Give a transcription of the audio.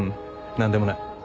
何でもない。